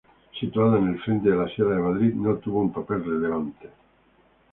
Situada en el frente de la Sierra de Madrid, no tuvo un papel relevante.